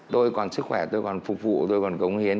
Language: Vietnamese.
tôi còn sức khỏe tôi còn phục vụ tôi còn cống hiến